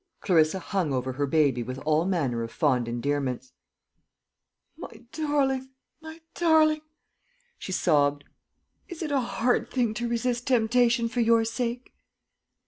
Clarissa hung over her baby with all manner of fond endearments. "My darling! my darling!" she sobbed; "is it a hard thing to resist temptation for your sake?"